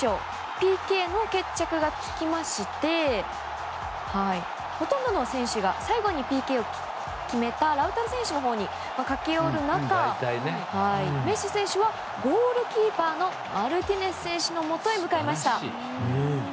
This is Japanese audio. ＰＫの決着がつきましてほとんどの選手が最後にＰＫを決めたラウタロ選手のもとに駆け寄る中メッシ選手は、ゴールキーパーのマルティネス選手のもとに向かいました。